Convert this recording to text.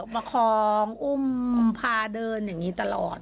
ประคองอุ้มพาเดินอย่างนี้ตลอด